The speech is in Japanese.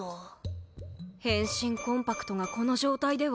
変身コンパクトがこの状態では。